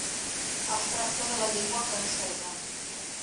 Es tracta de la llengua francesa.